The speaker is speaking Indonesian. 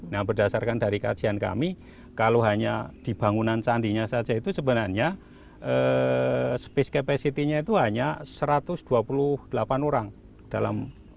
nah berdasarkan dari kajian kami kalau hanya di bangunan candinya saja itu sebenarnya space capacity nya itu hanya satu ratus dua puluh delapan orang dalam